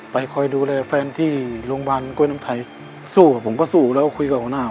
คอยดูแลแฟนที่โรงพยาบาลกล้วยน้ำไทยสู้ผมก็สู้แล้วคุยกับหัวหน้า